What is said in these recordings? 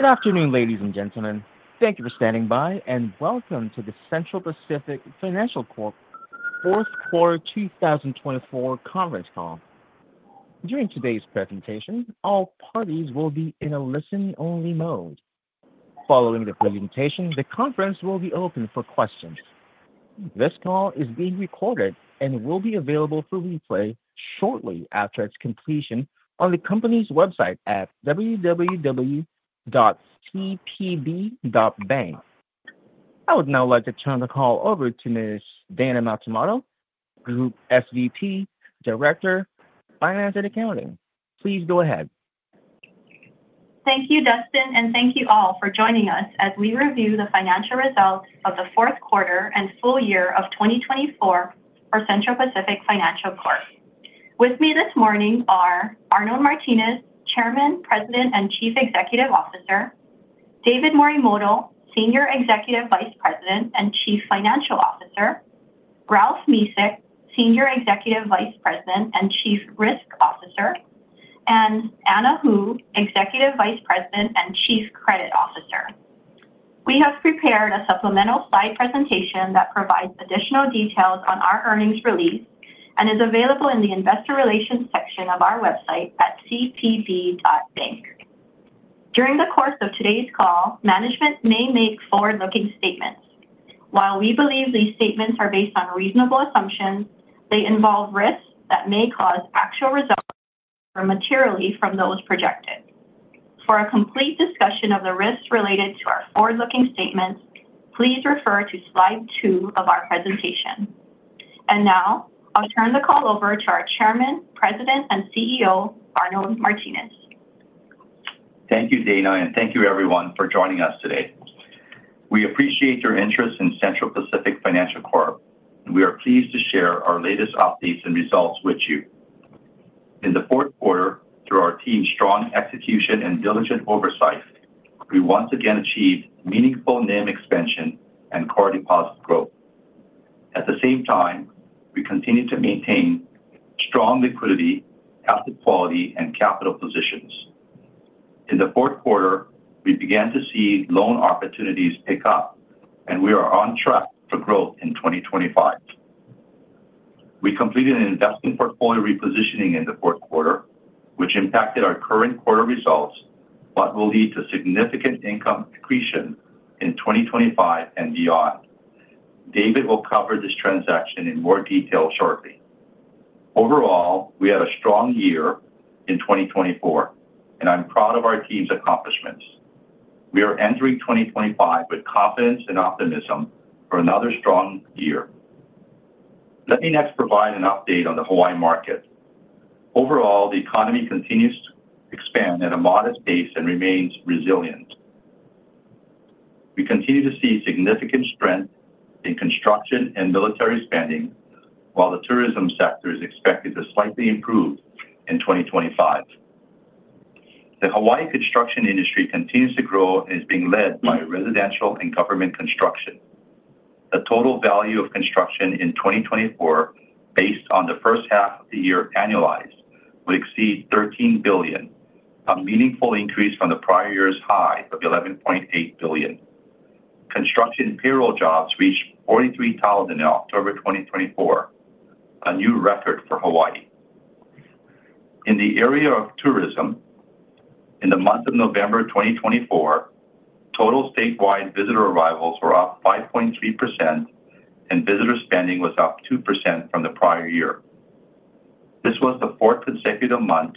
Good afternoon, ladies and gentlemen. Thank you for standing by, and welcome to the Central Pacific Financial Corp Fourth Quarter 2024 Conference Call. During today's presentation, all parties will be in a listen-only mode. Following the presentation, the conference will be open for questions. This call is being recorded and will be available for replay shortly after its completion on the company's website at www.cpb.bank. I would now like to turn the call over to Ms. Dayna Matsumoto, Group SVP, Director, Finance and Accounting. Please go ahead. Thank you, Dustin, and thank you all for joining us as we review the financial results of the fourth quarter and full year of 2024 for Central Pacific Financial Corp. With me this morning are Arnold Martines, Chairman, President, and Chief Executive Officer, David Morimoto, Senior Executive Vice President and Chief Financial Officer, Ralph Mesick, Senior Executive Vice President and Chief Risk Officer, and Anna Hu, Executive Vice President and Chief Credit Officer. We have prepared a supplemental slide presentation that provides additional details on our earnings release and is available in the Investor Relations section of our website at cpb.bank. During the course of today's call, management may make forward-looking statements. While we believe these statements are based on reasonable assumptions, they involve risks that may cause actual results to differ materially from those projected. For a complete discussion of the risks related to our forward-looking statements, please refer to Slide 2 of our presentation, and now, I'll turn the call over to our Chairman, President, and CEO, Arnold Martines. Thank you, Dayna, and thank you, everyone, for joining us today. We appreciate your interest in Central Pacific Financial Corp, and we are pleased to share our latest updates and results with you. In the fourth quarter, through our team's strong execution and diligent oversight, we once again achieved meaningful loan expansion and core deposit growth. At the same time, we continue to maintain strong liquidity, asset quality, and capital positions. In the fourth quarter, we began to see loan opportunities pick up, and we are on track for growth in 2025. We completed an investment portfolio repositioning in the fourth quarter, which impacted our current quarter results but will lead to significant income accretion in 2025 and beyond. David will cover this transaction in more detail shortly. Overall, we had a strong year in 2024, and I'm proud of our team's accomplishments. We are entering 2025 with confidence and optimism for another strong year. Let me next provide an update on the Hawaii market. Overall, the economy continues to expand at a modest pace and remains resilient. We continue to see significant strength in construction and military spending, while the tourism sector is expected to slightly improve in 2025. The Hawaii construction industry continues to grow and is being led by residential and government construction. The total value of construction in 2024, based on the first half of the year annualized, would exceed $13 billion, a meaningful increase from the prior year's high of $11.8 billion. Construction payroll jobs reached 43,000 in October 2024, a new record for Hawaii. In the area of tourism, in the month of November 2024, total statewide visitor arrivals were up 5.3%, and visitor spending was up 2% from the prior year. This was the fourth consecutive month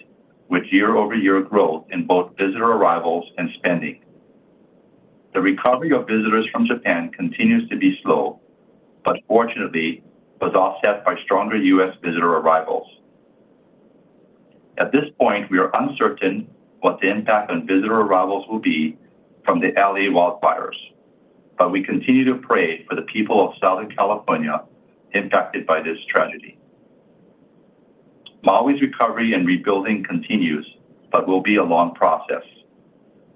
with year-over-year growth in both visitor arrivals and spending. The recovery of visitors from Japan continues to be slow, but fortunately, was offset by stronger U.S. visitor arrivals. At this point, we are uncertain what the impact on visitor arrivals will be from the L.A. wildfires, but we continue to pray for the people of Southern California impacted by this tragedy. Maui's recovery and rebuilding continues, but will be a long process.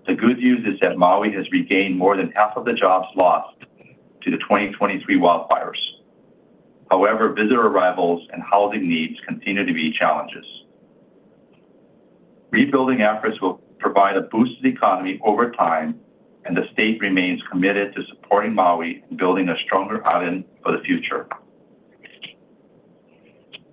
The good news is that Maui has regained more than half of the jobs lost to the 2023 wildfires. However, visitor arrivals and housing needs continue to be challenges. Rebuilding efforts will provide a boost to the economy over time, and the state remains committed to supporting Maui and building a stronger island for the future.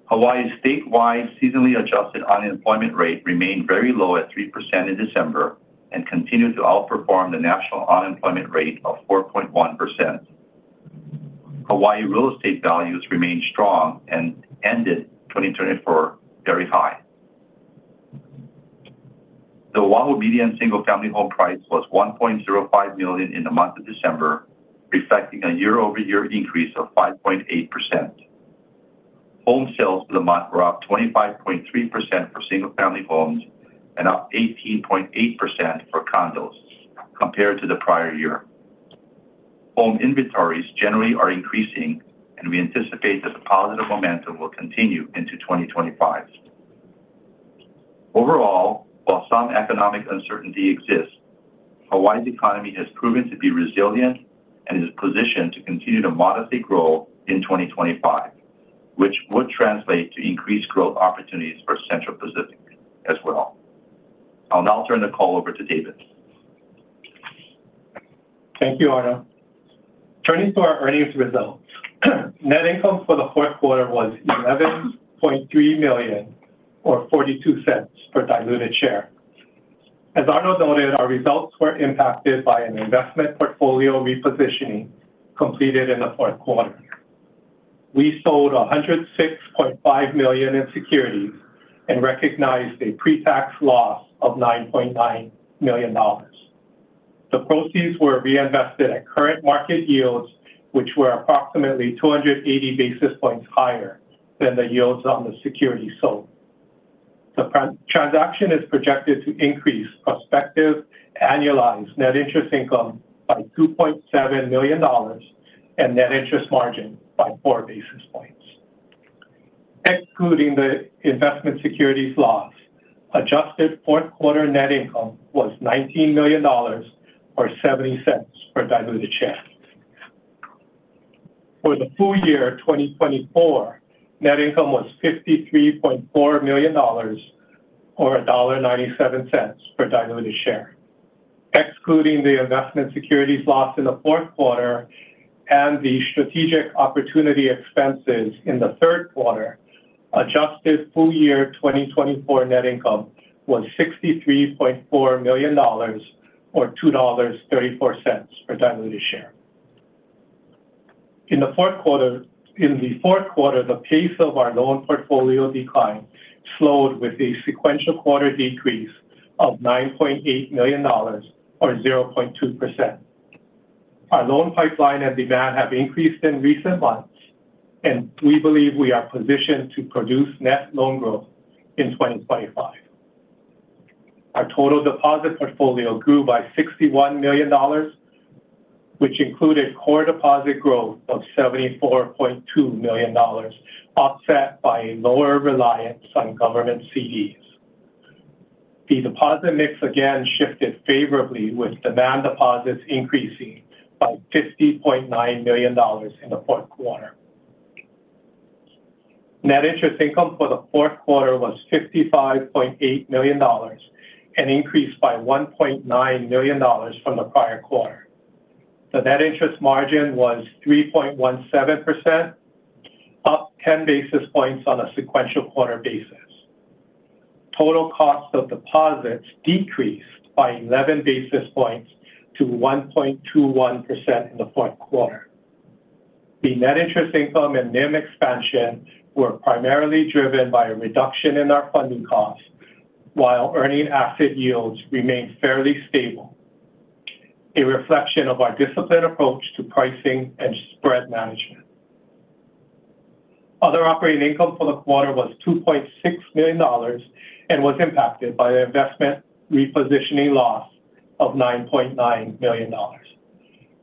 Hawaii's statewide seasonally adjusted unemployment rate remained very low at 3% in December and continued to outperform the national unemployment rate of 4.1%. Hawaii real estate values remained strong and ended 2024 very high. The Oahu median single-family home price was $1.05 million in the month of December, reflecting a year-over-year increase of 5.8%. Home sales for the month were up 25.3% for single-family homes and up 18.8% for condos, compared to the prior year. Home inventories generally are increasing, and we anticipate that the positive momentum will continue into 2025. Overall, while some economic uncertainty exists, Hawaii's economy has proven to be resilient and is positioned to continue to modestly grow in 2025, which would translate to increased growth opportunities for Central Pacific as well. I'll now turn the call over to David. Thank you, Arnold. Turning to our earnings results, net income for the fourth quarter was $11.3 million, or $0.42, per diluted share. As Arnold noted, our results were impacted by an investment portfolio repositioning completed in the fourth quarter. We sold $106.5 million in securities and recognized a pre-tax loss of $9.9 million. The proceeds were reinvested at current market yields, which were approximately 280 basis points higher than the yields on the securities sold. The transaction is projected to increase prospective annualized net interest income by $2.7 million and net interest margin by 4 basis points. Excluding the investment securities loss, adjusted fourth quarter net income was $19 million, or $0.70, per diluted share. For the full year 2024, net income was $53.4 million, or $1.97, per diluted share. Excluding the investment securities loss in the fourth quarter and the strategic opportunity expenses in the third quarter, adjusted full year 2024 net income was $63.4 million, or $2.34, per diluted share. In the fourth quarter, the pace of our loan portfolio decline slowed with a sequential quarter decrease of $9.8 million, or 0.2%. Our loan pipeline and demand have increased in recent months, and we believe we are positioned to produce net loan growth in 2025. Our total deposit portfolio grew by $61 million, which included core deposit growth of $74.2 million, offset by a lower reliance on government CDs. The deposit mix again shifted favorably, with demand deposits increasing by $50.9 million in the fourth quarter. Net interest income for the fourth quarter was $55.8 million, an increase by $1.9 million from the prior quarter. The net interest margin was 3.17%, up 10 basis points on a sequential quarter basis. Total cost of deposits decreased by 11 basis points to 1.21% in the fourth quarter. The net interest income and NIM expansion were primarily driven by a reduction in our funding costs, while earning asset yields remained fairly stable, a reflection of our disciplined approach to pricing and spread management. Other operating income for the quarter was $2.6 million and was impacted by the investment repositioning loss of $9.9 million.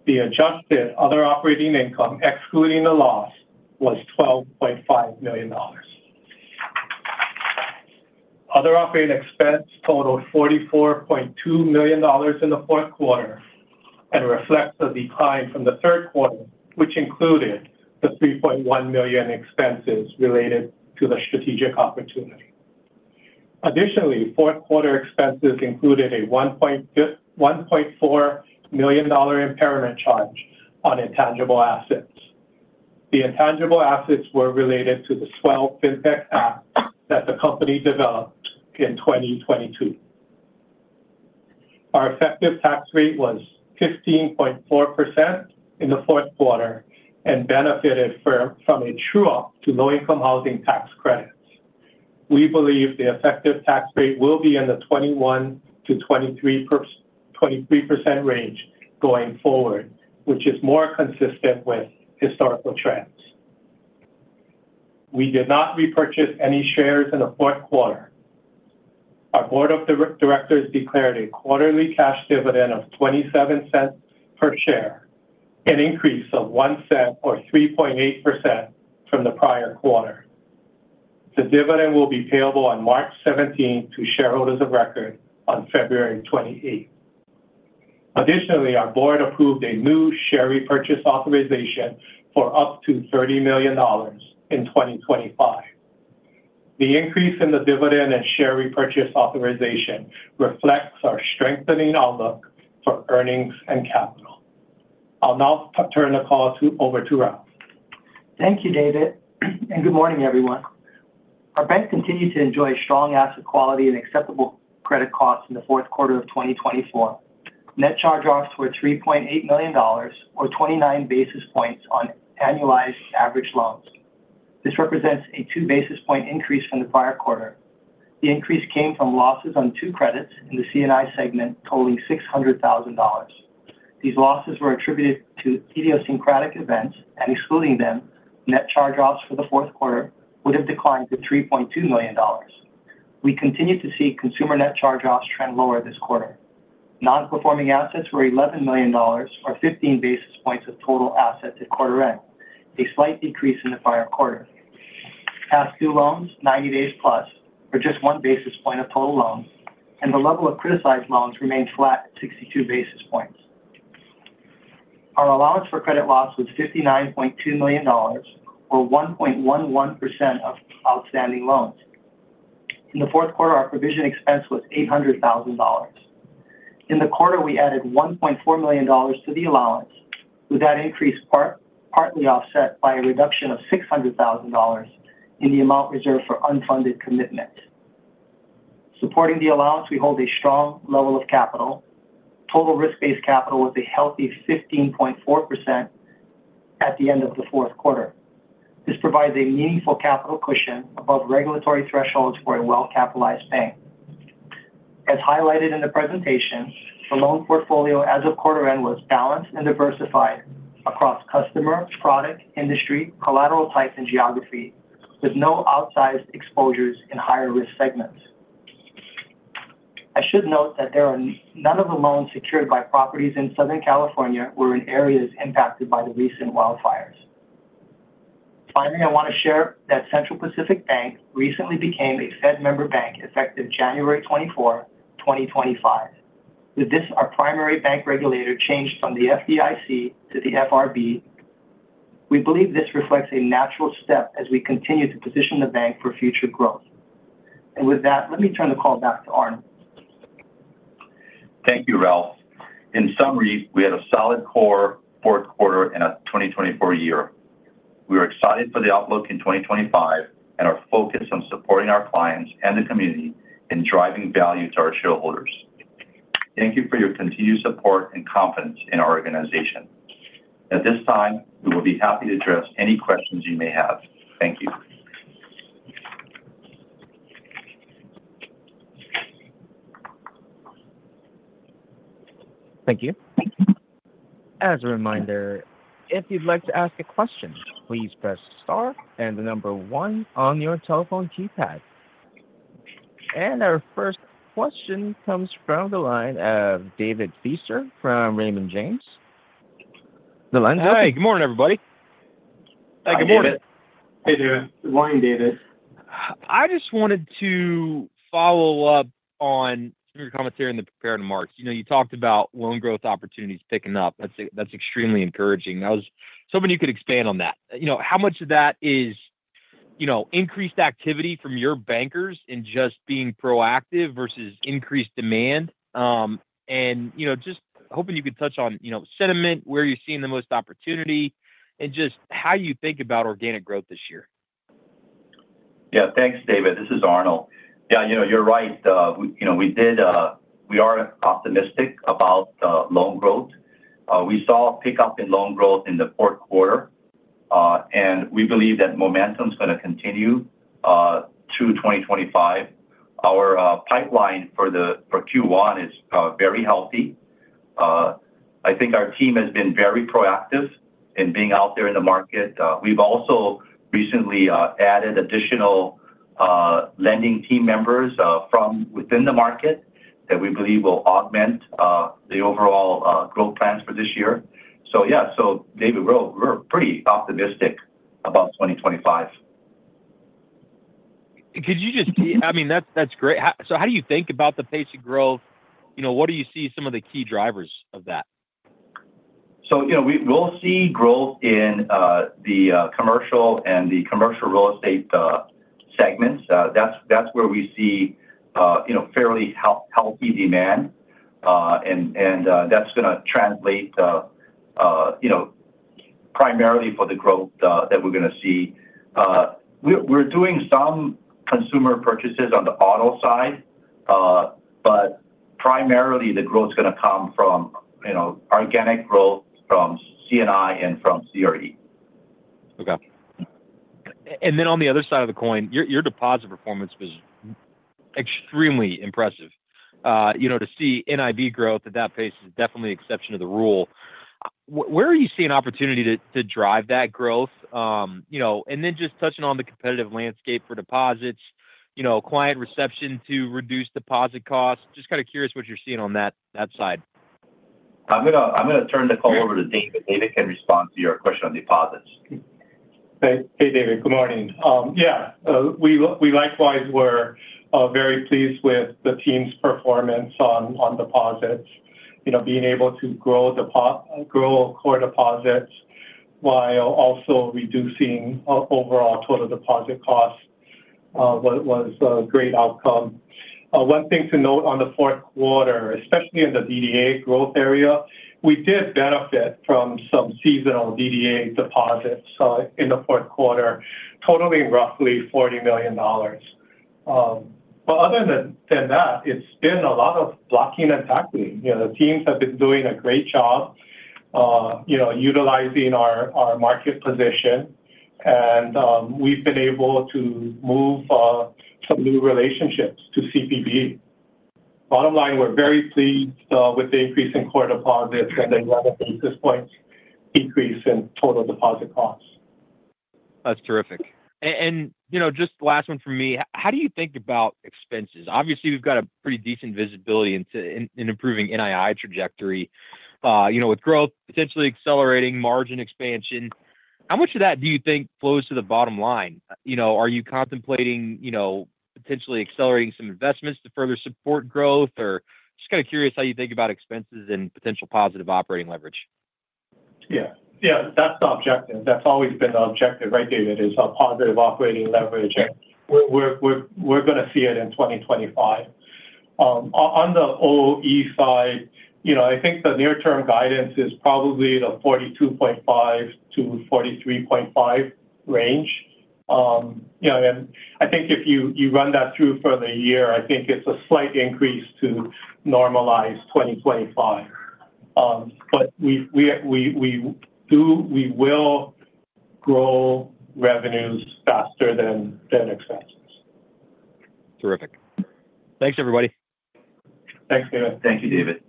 The adjusted other operating income, excluding the loss, was $12.5 million. Other operating expense totaled $44.2 million in the fourth quarter and reflects a decline from the third quarter, which included the $3.1 million expenses related to the strategic opportunity. Additionally, fourth quarter expenses included a $1.4 million impairment charge on intangible assets. The intangible assets were related to the Swell FinTech app that the company developed in 2022. Our effective tax rate was 15.4% in the fourth quarter and benefited from a true-up to low-income housing tax credits. We believe the effective tax rate will be in the 21%-23% range going forward, which is more consistent with historical trends. We did not repurchase any shares in the fourth quarter. Our Board of Directors declared a quarterly cash dividend of $0.27 per share, an increase of $0.01, or 3.8%, from the prior quarter. The dividend will be payable on March 17 to shareholders of record on February 28. Additionally, our Board approved a new share repurchase authorization for up to $30 million in 2025. The increase in the dividend and share repurchase authorization reflects our strengthening outlook for earnings and capital. I'll now turn the call over to Ralph. Thank you, David. And good morning, everyone. Our bank continues to enjoy strong asset quality and acceptable credit costs in the fourth quarter of 2024. Net charge-offs were $3.8 million, or 29 basis points, on annualized average loans. This represents a two basis point increase from the prior quarter. The increase came from losses on two credits in the C&I segment totaling $600,000. These losses were attributed to idiosyncratic events, and excluding them, net charge-offs for the fourth quarter would have declined to $3.2 million. We continue to see consumer net charge-offs trend lower this quarter. Non-performing assets were $11 million, or 15 basis points of total assets at quarter-end, a slight decrease in the prior quarter. Past due loans, 90 days plus, were just one basis point of total loans, and the level of criticized loans remained flat at 62 basis points. Our allowance for credit loss was $59.2 million, or 1.11% of outstanding loans. In the fourth quarter, our provision expense was $800,000. In the quarter, we added $1.4 million to the allowance, with that increase partly offset by a reduction of $600,000 in the amount reserved for unfunded commitments. Supporting the allowance, we hold a strong level of capital. Total risk-based capital was a healthy 15.4% at the end of the fourth quarter. This provides a meaningful capital cushion above regulatory thresholds for a well-capitalized bank. As highlighted in the presentation, the loan portfolio as of quarter-end was balanced and diversified across customer, product, industry, collateral type, and geography, with no outsized exposures in higher-risk segments. I should note that none of the loans secured by properties in Southern California were in areas impacted by the recent wildfires. Finally, I want to share that Central Pacific Bank recently became a Fed member bank effective January 24, 2025. With this, our primary bank regulator changed from the FDIC to the FRB. We believe this reflects a natural step as we continue to position the bank for future growth, and with that, let me turn the call back to Arnold. Thank you, Ralph. In summary, we had a solid core fourth quarter in a 2024 year. We are excited for the outlook in 2025 and are focused on supporting our clients and the community in driving value to our shareholders. Thank you for your continued support and confidence in our organization. At this time, we will be happy to address any questions you may have. Thank you. Thank you. As a reminder, if you'd like to ask a question, please press star and the number one on your telephone keypad. And our first question comes from the line of David Feaster from Raymond James. The line's up. Hi. Good morning, everybody. Hi. Good morning. Hey, David. Good morning, David. I just wanted to follow up on your comments here in the prepared remarks. You talked about loan growth opportunities picking up. That's extremely encouraging. I was hoping you could expand on that. How much of that is increased activity from your bankers in just being proactive versus increased demand? And just hoping you could touch on sentiment, where you're seeing the most opportunity, and just how you think about organic growth this year. Yeah. Thanks, David. This is Arnold. Yeah, you're right. We are optimistic about loan growth. We saw a pickup in loan growth in the fourth quarter, and we believe that momentum is going to continue through 2025. Our pipeline for Q1 is very healthy. I think our team has been very proactive in being out there in the market. We've also recently added additional lending team members from within the market that we believe will augment the overall growth plans for this year. So yeah, so David, we're pretty optimistic about 2025. Could you just, I mean, that's great. So how do you think about the pace of growth? What do you see some of the key drivers of that? We'll see growth in the commercial and the commercial real estate segments. That's where we see fairly healthy demand, and that's going to translate primarily for the growth that we're going to see. We're doing some consumer purchases on the auto side, but primarily, the growth is going to come from organic growth from C&I and from CRE. Okay. And then on the other side of the coin, your deposit performance was extremely impressive. To see NII growth at that pace is definitely an exception to the rule. Where are you seeing opportunity to drive that growth? And then just touching on the competitive landscape for deposits, client reception to reduce deposit costs, just kind of curious what you're seeing on that side. I'm going to turn the call over to David. David can respond to your question on deposits. Hey, David. Good morning. Yeah. We likewise were very pleased with the team's performance on deposits. Being able to grow core deposits while also reducing overall total deposit costs was a great outcome. One thing to note on the fourth quarter, especially in the DDA growth area, we did benefit from some seasonal DDA deposits in the fourth quarter, totaling roughly $40 million. But other than that, it's been a lot of blocking and tackling. The teams have been doing a great job utilizing our market position, and we've been able to move some new relationships to CPB. Bottom line, we're very pleased with the increase in core deposits and the 11 basis points increase in total deposit costs. That's terrific, and just the last one for me. How do you think about expenses? Obviously, we've got a pretty decent visibility in improving NII trajectory with growth potentially accelerating margin expansion. How much of that do you think flows to the bottom line? Are you contemplating potentially accelerating some investments to further support growth? Or just kind of curious how you think about expenses and potential positive operating leverage. Yeah. Yeah. That's the objective. That's always been the objective, right, David, is a positive operating leverage. We're going to see it in 2025. On the OE side, I think the near-term guidance is probably the 42.5-43.5 range. And I think if you run that through for the year, I think it's a slight increase to normalize 2025. But we will grow revenues faster than expenses. Terrific. Thanks, everybody. Thanks, David. Thank you, David.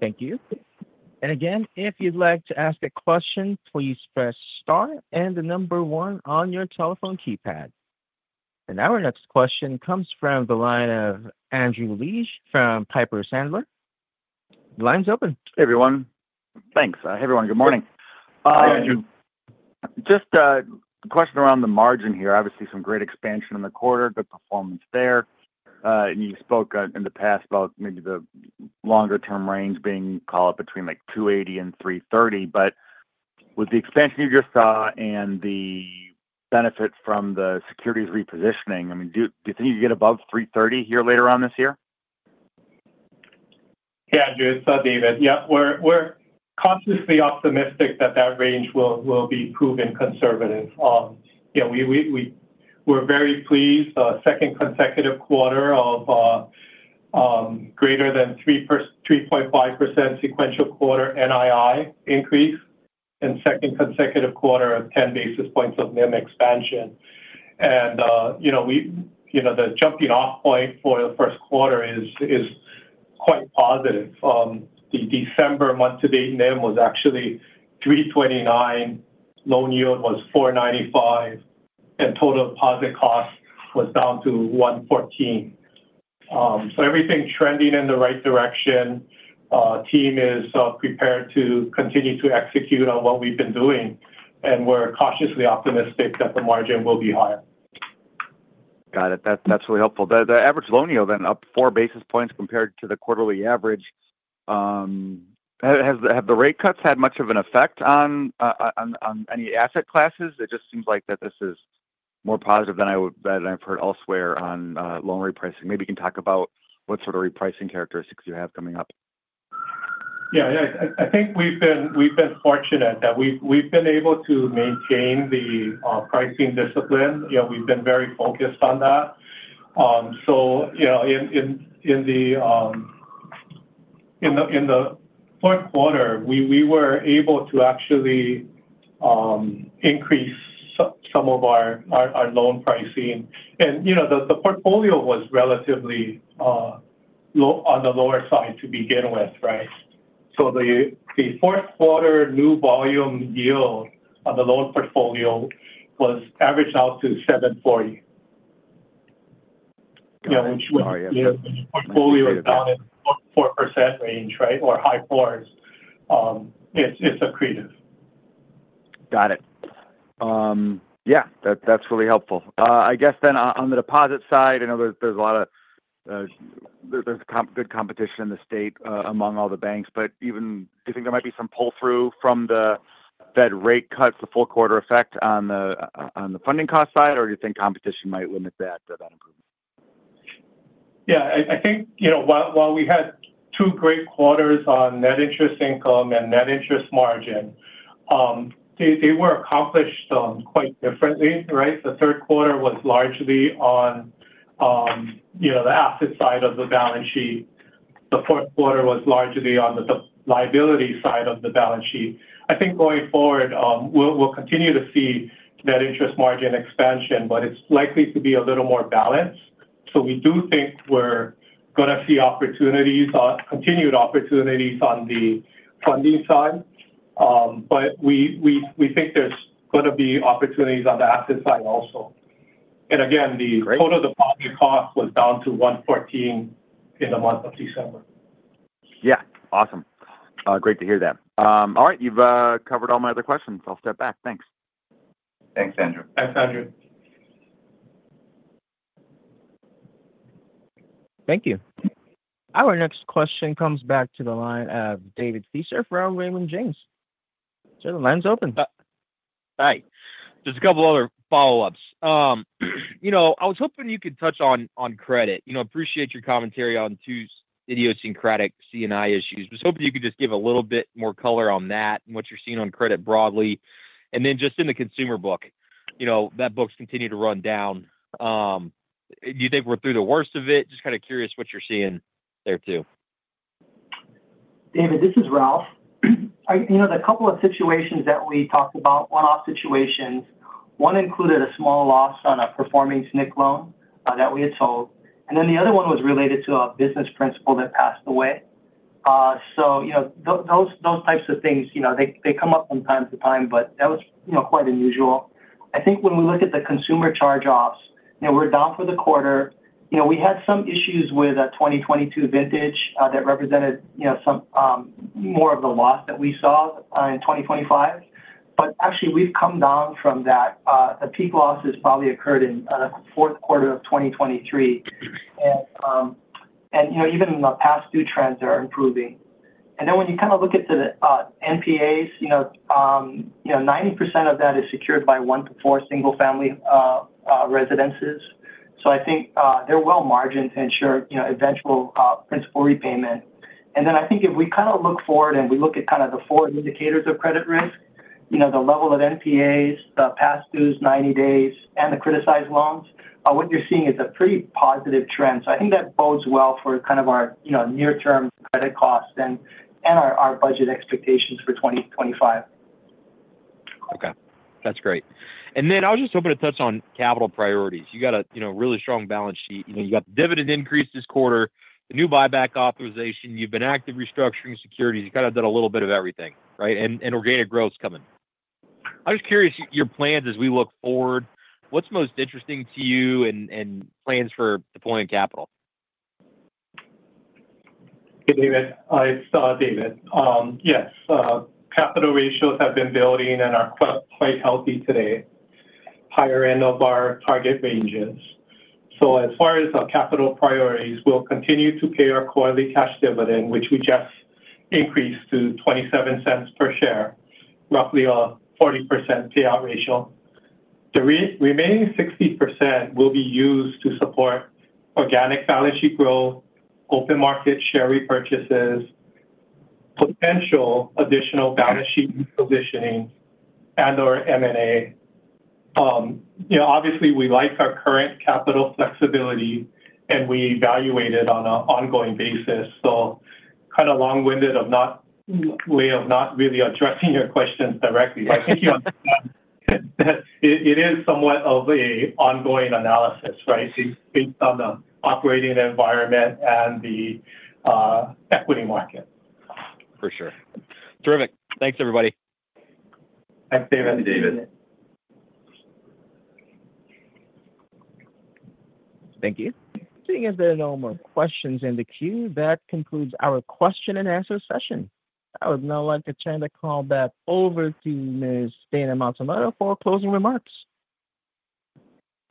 Thank you. And again, if you'd like to ask a question, please press star and the number one on your telephone keypad. And our next question comes from the line of Andrew Liesch from Piper Sandler. The line's open. Hey, everyone. Thanks. Hey, everyone. Good morning. Hi, Andrew. Just a question around the margin here. Obviously, some great expansion in the quarter, good performance there. And you spoke in the past about maybe the longer-term range being called between like 280 and 330. But with the expansion you just saw and the benefit from the securities repositioning, I mean, do you think you get above 330 here later on this year? Yeah, Andrew. It's David. Yeah. We're consciously optimistic that that range will be proven conservative. Yeah. We're very pleased. Second consecutive quarter of greater than 3.5% sequential quarter NII increase and second consecutive quarter of 10 basis points of NIM expansion. The jumping-off point for the first quarter is quite positive. The December month-to-date NIM was actually 329, loan yield was 495, and total deposit cost was down to 114. Everything's trending in the right direction. The team is prepared to continue to execute on what we've been doing, and we're cautiously optimistic that the margin will be higher. Got it. That's really helpful. The average loan yield, then, up four basis points compared to the quarterly average. Have the rate cuts had much of an effect on any asset classes? It just seems like that this is more positive than I've heard elsewhere on loan repricing. Maybe you can talk about what sort of repricing characteristics you have coming up. Yeah. Yeah. I think we've been fortunate that we've been able to maintain the pricing discipline. We've been very focused on that. So in the fourth quarter, we were able to actually increase some of our loan pricing. And the portfolio was relatively on the lower side to begin with, right? So the fourth quarter new volume yield on the loan portfolio was averaged out to 740. Got it. Sorry. Yeah. Portfolio is down in the 4% range, right, or high 4s. It's accretive. Got it. Yeah. That's really helpful. I guess then on the deposit side, I know there's good competition in the state among all the banks. But even do you think there might be some pull-through from the Fed rate cuts, the fourth quarter effect on the funding cost side, or do you think competition might limit that improvement? Yeah. I think while we had two great quarters on net interest income and net interest margin, they were accomplished quite differently, right? The third quarter was largely on the asset side of the balance sheet. The fourth quarter was largely on the liability side of the balance sheet. I think going forward, we'll continue to see net interest margin expansion, but it's likely to be a little more balanced. So we do think we're going to see continued opportunities on the funding side, but we think there's going to be opportunities on the asset side also. And again, the total deposit cost was down to 114 in the month of December. Yeah. Awesome. Great to hear that. All right. You've covered all my other questions. I'll step back. Thanks. Thanks, Andrew. Thanks, Andrew. Thank you. Our next question comes back to the line of David Feaster from Raymond James. So the line's open. Hi. Just a couple of other follow-ups. I was hoping you could touch on credit. Appreciate your commentary on two idiosyncratic C&I issues. I was hoping you could just give a little bit more color on that and what you're seeing on credit broadly, and then just in the consumer book, that book's continued to run down. Do you think we're through the worst of it? Just kind of curious what you're seeing there too. David, this is Ralph. The couple of situations that we talked about, one-off situations, one included a small loss on a performing SNC loan that we had sold, and then the other one was related to a business principal that passed away, so those types of things, they come up from time to time, but that was quite unusual. I think when we look at the consumer charge-offs, we're down for the quarter. We had some issues with a 2022 vintage that represented some more of the loss that we saw in 2025, but actually, we've come down from that. The peak loss has probably occurred in the fourth quarter of 2023, and even the past due trends are improving, and then when you kind of look at the NPAs, 90% of that is secured by one to four single-family residences. So, I think they're well margined to ensure eventual principal repayment. And then, I think if we kind of look forward and we look at kind of the four indicators of credit risk, the level of NPAs, the past dues, 90 days, and the criticized loans, what you're seeing is a pretty positive trend. So, I think that bodes well for kind of our near-term credit costs and our budget expectations for 2025. Okay. That's great. And then I was just hoping to touch on capital priorities. You got a really strong balance sheet. You got the dividend increase this quarter, the new buyback authorization. You've been active restructuring securities. You kind of did a little bit of everything, right? And organic growth's coming. I'm just curious your plans as we look forward. What's most interesting to you and plans for deploying capital? Hey, David. It's David. Yes. Capital ratios have been building and are quite healthy today, higher end of our target ranges. So as far as our capital priorities, we'll continue to pay our quarterly cash dividend, which we just increased to $0.27 per share, roughly a 40% payout ratio. The remaining 60% will be used to support organic balance sheet growth, open market share repurchases, potential additional balance sheet repositioning, and/or M&A. Obviously, we like our current capital flexibility, and we evaluate it on an ongoing basis. So kind of long-winded way of not really addressing your questions directly. But I think you understand that it is somewhat of an ongoing analysis, right, based on the operating environment and the equity market. For sure. Terrific. Thanks, everybody. Thanks, David. Thank you, David. Thank you. Seeing if there are no more questions in the queue, that concludes our question and answer session. I would now like to turn the call back over to Ms. Dayna Matsumoto for closing remarks.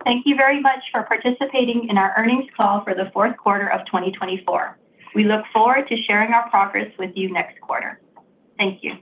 Thank you very much for participating in our earnings call for the fourth quarter of 2024. We look forward to sharing our progress with you next quarter. Thank you.